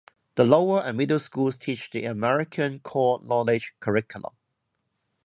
The Lower and Middle Schools teach the American Core Knowledge curriculum.